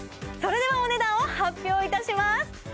それではお値段を発表いたします